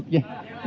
bukan hal yang baik